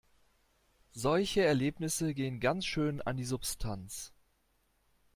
Solche Erlebnisse gehen ganz schön an die Substanz.